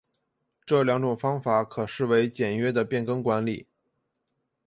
这两种方法可视为简约的变更管理。